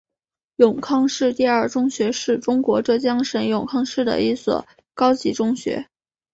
永康市第二中学是中国浙江省永康市的一所高级中学。